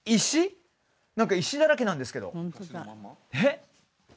何か石だらけなんですけどえっ？